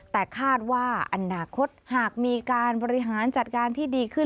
แต่คาดว่าอนาคตหากมีการบริหารจัดการที่ดีขึ้น